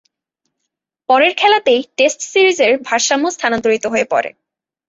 পরের খেলাতেই টেস্ট সিরিজের ভারসাম্য স্থানান্তরিত হয়ে পড়ে।